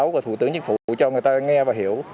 và thủ tướng chính phủ cho người ta nghe và hiểu